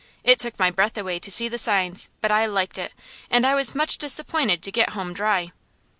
It took my breath away to see the signs, but I liked it; and I was much disappointed to get home dry.